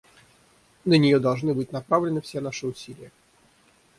На нее должны быть направлены все наши усилия.